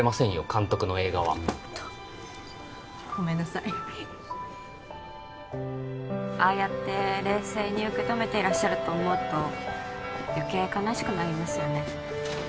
監督の映画はちょっとごめんなさいああやって冷静に受け止めていらっしゃると思うと余計悲しくなりますよね